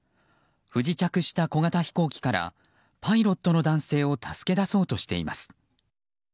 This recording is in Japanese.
不時着した小型飛行機からパイロットの男性を助け出そうとしています。